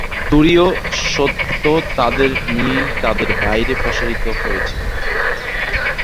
তুরীয় সত্য তাঁদের নিয়েই তাঁদের বাইরে প্রসারিত হয়েছে।